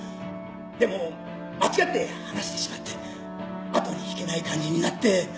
でも間違って話してしまって後に引けない感じになって。